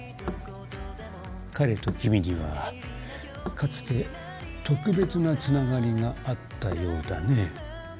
彼と君にはかつて特別な繋がりがあったようだね。